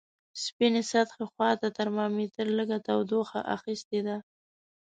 سپینې سطحې خواته ترمامتر لږه تودوخه اخستې ده.